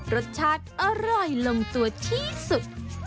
รสชาติอร่อยลงตัวที่สุด